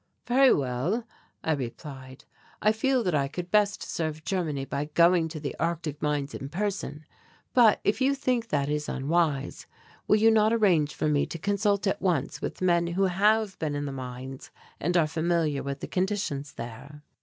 "Very well," I replied. "I feel that I could best serve Germany by going to the Arctic mines in person, but if you think that is unwise, will you not arrange for me to consult at once with men who have been in the mines and are familiar with conditions there?"